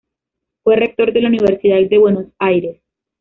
Fue rector de la Universidad de Buenos Aires.